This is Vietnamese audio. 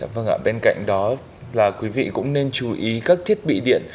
vâng ạ bên cạnh đó là quý vị cũng nên chú ý các thiết bị điện